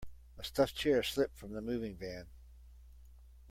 A stuffed chair slipped from the moving van.